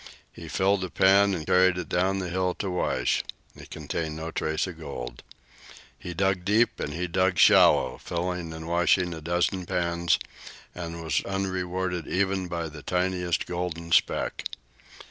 He filled a pan and carried it down the hill to wash. It contained no trace of gold. He dug deep, and he dug shallow, filling and washing a dozen pans, and was unrewarded even by the tiniest golden speck.